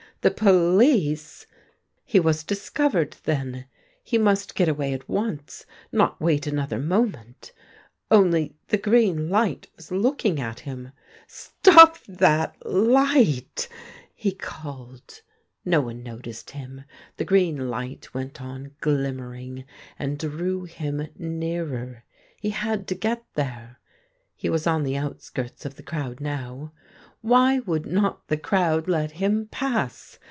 The police ! He was discovered, then. He must get away at once, not wait another moment. Only the green light was looking at him. 70 THE GREEN LIGHT ' Stop that light !' he called. No one noticed him. The green light went on glimmei'ing, and drew him nearer. He had to get thei'e. He was on the outskirts of the ci owd now. Why would not the crowd let him pass